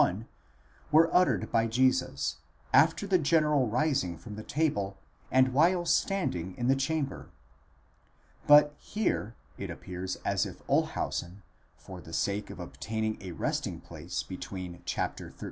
1 were uttered by Jesus after the general rising from table, and while standing in the chamber.® But, here, it appears as if Olshausen, for the sake of obtaining a resting place between xiii.